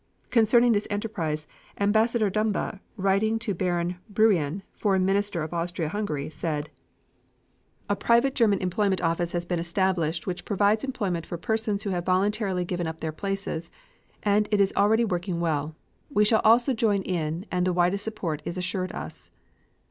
Concerning this enterprise Ambassador Dumba, writing to Baron Burian, Foreign Minister of Austria Hungary, said: A private German employment office has been established which provides employment for persons who have voluntarily given up their places, and it is already working well. We shall also join in and the widest support is assured us.